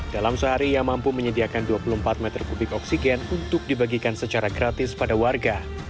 dalam sehari ia mampu menyediakan dua puluh empat meter kubik oksigen untuk dibagikan secara gratis pada warga